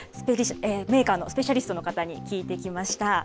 メーカーのスペシャリストの方に聞いてきました。